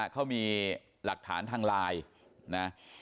เขามีหลักฐานทางไลน์นะ